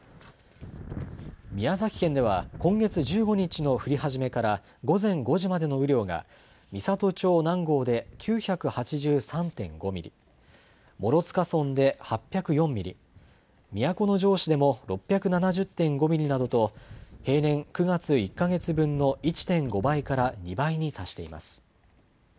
宮崎県では今月１５日の降り始めから午前５時までの雨量が、美郷町南郷で９８３．５ミリ、諸塚村で８０４ミリ、都城市でも６７０．５ミリなどと、平年９月１か月分の１．５倍から２倍に達しています。